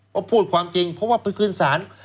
เพราะพูดความจริงเพราะว่าไปขึ้นศาล